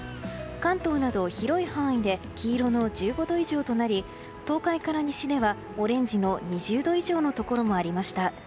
関東など広い範囲で黄色の１５度以上となり東海から西では、オレンジの２０度以上のところもありました。